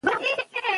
هغه مڼه خوري.